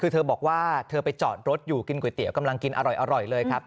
คือเธอบอกว่าเธอไปจอดรถอยู่กินก๋วยเตี๋ยวกำลังกินอร่อยเลยครับ